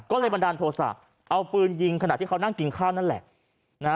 ก็เลยบันดาลโทษะเอาปืนยิงขณะที่เขานั่งกินข้าวนั่นแหละนะฮะ